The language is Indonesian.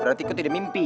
berarti kok tidak mimpi